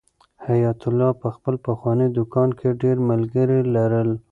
حیات الله په خپل پخواني دوکان کې ډېر ملګري لرل.